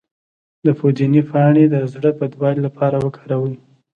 د پودینې پاڼې د زړه بدوالي لپاره وکاروئ